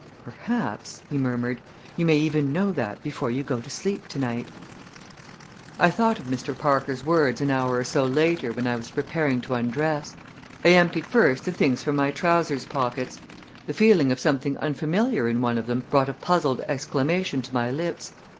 "Perhaps," he murmured, "you may even know that before you go to sleep to night." I thought of Mr. Parker's words an hour or so later when I was preparing to undress. I emptied first the things from my trousers pockets. The feeling of something unfamiliar in one of them brought a puzzled exclamation to my lips.